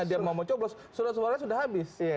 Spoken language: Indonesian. dia mau mencopot suaranya sudah habis